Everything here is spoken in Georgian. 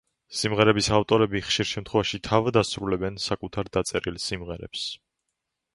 სიმღერების ავტორები ხშირ შემთხვევაში თავად ასრულებენ საკუთარ დაწერილ სიმღერებს.